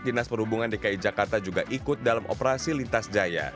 dinas perhubungan dki jakarta juga ikut dalam operasi lintas jaya